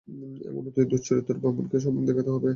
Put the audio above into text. এমন কি অতি দুশ্চরিত্র ব্রাহ্মণকেও সম্মান দেখাতে হবে।